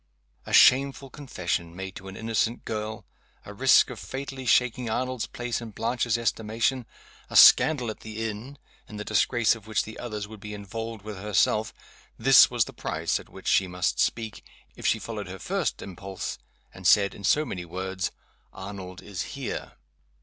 A shameful confession made to an innocent girl; a risk of fatally shaking Arnold's place in Blanche's estimation; a scandal at the inn, in the disgrace of which the others would be involved with herself this was the price at which she must speak, if she followed her first impulse, and said, in so many words, "Arnold is here."